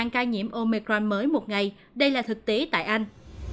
hai trăm linh ca nhiễm omicron mới một ngày đây là thực tế tại anh